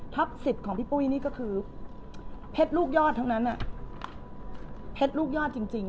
ท็อปสิบของพี่ปุ้ยนี่ก็คือเพชรลูกยอดเท่านั้นอ่ะเพชรลูกยอดจริงจริง